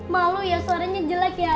malu ya suaranya jelek ya